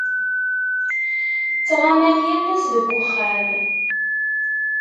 Ttɣaman yal ass deg uxxam.